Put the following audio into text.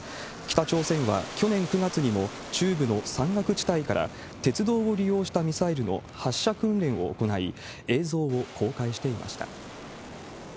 北朝鮮は、去年９月にも中部の山岳地帯から鉄道を利用したミサイルの発射訓練を行い、映像を公開していました。